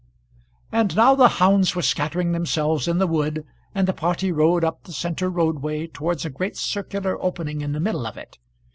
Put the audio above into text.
And now the hounds were scattering themselves in the wood, and the party rode up the centre roadway towards a great circular opening in the middle of it.